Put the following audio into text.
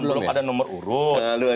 belum ada nomor urus